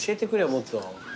もっと。